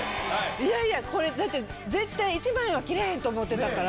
いやいやこれだって絶対１万円は切れへんと思ってたから。